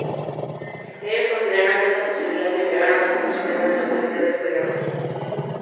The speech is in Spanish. Ellos consideraron esta posibilidad y entregaron a su prisionero a las autoridades peruanas.